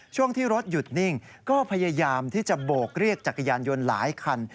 ช่วงที่รถหยุดนิ่งก็พยายามที่จะโบกเรียกจักรยานยนต์หลายคัน